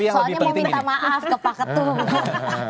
soalnya mau minta maaf ke pak ketum